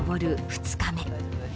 ２日目。